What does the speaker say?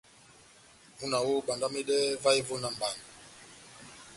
Múna oooh, bandamedɛhɛ, vahe vondi na mʼbana.